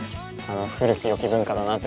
古きよき文化だなって